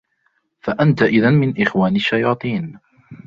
فَأَنْتَ إذًا مِنْ إخْوَانِ الشَّيَاطِينِ